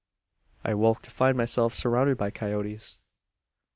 "I awoke to find myself surrounded by coyotes.